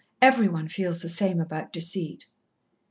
Every one feels the same about deceit."